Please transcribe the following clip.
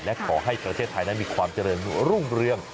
และขอให้ประเทศไทยนั้นมีความเจริญรุ่งเรือง